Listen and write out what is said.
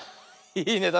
いいね。